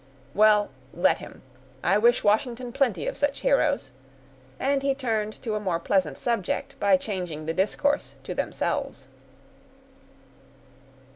"Well, let him—I wish Washington plenty of such heroes;" and he turned to a more pleasant subject, by changing the discourse to themselves.